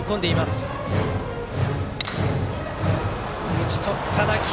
打ち取った打球。